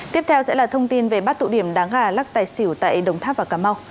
tiếp theo sẽ là thông tin về bắt tụ điểm đá gà lắc tài xỉu tại đồng tháp và cà mau